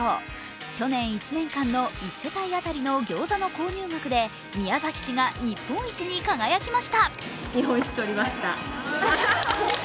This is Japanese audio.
去年１年間の１世帯当たりのギョーザの購入額で宮崎市が日本一に輝きました。